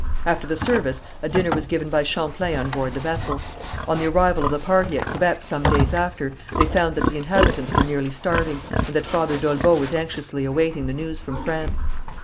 After the service a dinner was given by Champlain on board the vessel. On the arrival of the party at Quebec some days after, they found that the inhabitants were nearly starving, and that Father d'Olbeau was anxiously awaiting the news from France.